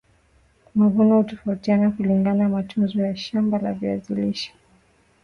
mavuno hutofautiana kulingana matunzo ya shamba la viazi lishe